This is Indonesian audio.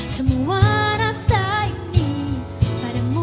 semua rasa ini padamu